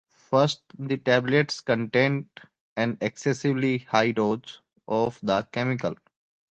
First, the tablets contained an excessively high dose of the chemical.